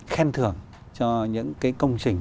khen thưởng cho những cái công trình